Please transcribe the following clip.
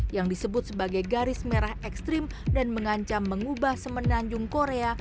yang disebut sebagai garis merah ekstrim dan mengancam mengubah semenanjung korea